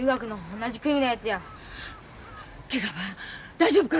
大丈夫か？